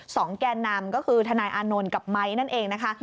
แก่นำก็คือทนายอานนท์กับไม้นั่นเองนะคะ